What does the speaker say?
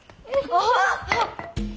あっ！